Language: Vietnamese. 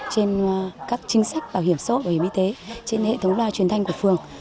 trên các chính sách bảo hiểm xã hội bảo hiểm y tế trên hệ thống loa truyền thanh của phường